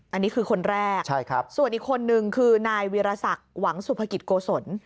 อันนี้คือคนแรกส่วนอีกคนนึงคือนายวีรศักดิ์หวังสุภกิจโกศล